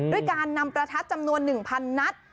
ด้วยการนำประทัดจำนวน๑๐๐นัด